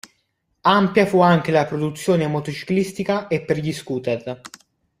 Ampia fu anche la produzione motociclistica e per gli scooter.